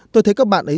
tôi thấy các bạn ấy